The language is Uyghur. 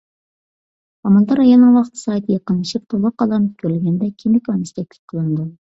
ھامىلىدار ئايالنىڭ ۋاقتى-سائىتى يېقىنلىشىپ تولغاق ئالامىتى كۆرۈلگەندە، كىندىك ئانىسى تەكلىپ قىلىنىدۇ.